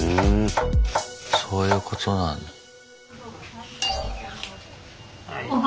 そういうことなんだ。え。